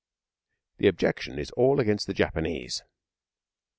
The objection is all against the Japanese.